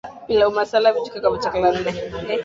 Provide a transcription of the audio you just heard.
Pilau masala Vijiko vya chakula nne